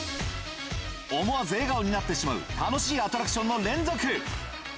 思わず笑顔になってしまう楽しいアトラクションの連続。